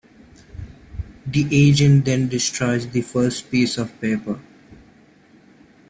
The agent then destroys the first piece of paper.